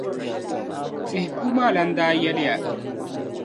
tihi puu maa lana daa yɛliya.